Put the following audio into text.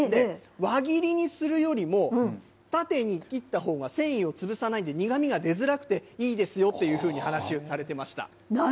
輪切りにするよりも縦に切ったほうが繊維をつぶさないで苦味が出づらくていいですよという話、されてました。